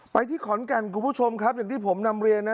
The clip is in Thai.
ที่ขอนแก่นคุณผู้ชมครับอย่างที่ผมนำเรียนนะ